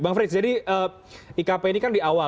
bang frits jadi ikp ini kan di awal